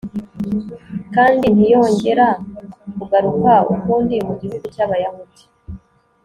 kandi ntiyongera kugaruka ukundi mu gihugu cy'abayahudi